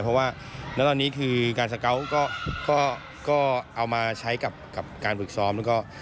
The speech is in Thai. เพราะว่าณตอนนี้การสเก๊าท์ก็เอามาใช้กับการปฏิกษอม